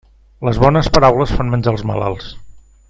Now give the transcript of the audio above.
Les bones paraules fan menjar els malalts.